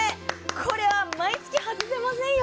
これは毎月外せませんよ！